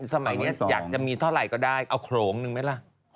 สมัยนี้อยากจะมีเท่าไหร่ก็ได้เอาโขลงหนึ่งไหมล่ะ